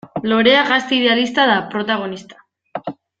Lorea gazte idealista da protagonista.